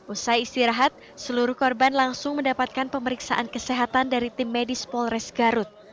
usai istirahat seluruh korban langsung mendapatkan pemeriksaan kesehatan dari tim medis polres garut